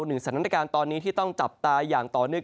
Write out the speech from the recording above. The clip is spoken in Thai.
หนึ่งสถานการณ์ตอนนี้ที่ต้องจับตาอย่างต่อเนื่อง